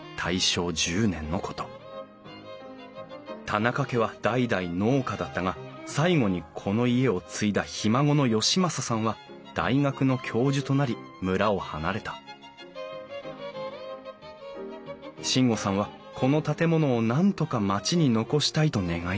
田仲家は代々農家だったが最後にこの家を継いだひ孫の可昌さんは大学の教授となり村を離れた進悟さんはこの建物をなんとか町に残したいと願い出た。